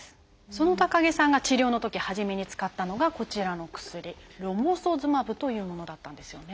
その高木さんが治療のとき初めに使ったのがこちらの薬ロモソズマブというものだったんですよね。